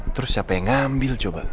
terus siapa yang ngambil coba